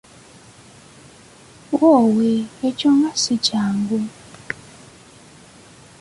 Woowe ekyo nga si kyangu!